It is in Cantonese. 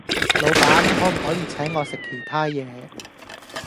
老闆可唔可以請我食其他野